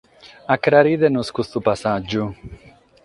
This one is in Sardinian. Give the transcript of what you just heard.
Acraride·nos custu passàgiu.